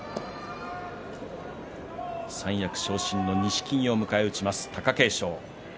三役昇進の錦木を迎え撃ちます貴景勝。